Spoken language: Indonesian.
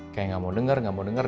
kayak gak mau denger gak mau denger